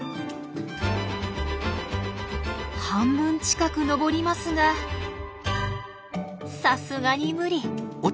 半分近く登りますがさすがに無理。